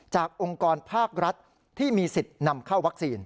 องค์กรภาครัฐที่มีสิทธิ์นำเข้าวัคซีน